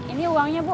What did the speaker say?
ini uangnya bu